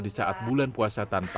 di saat bulan puasa tanpa